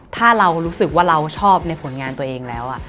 ถ้าเรารู้สึกว่าเราชอบในผลงานตัวเองแล้ว